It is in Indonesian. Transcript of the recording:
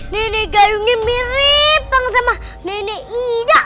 nenek gayungnya mirip banget sama nenek ida